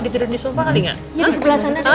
ditidur di sofa kali gak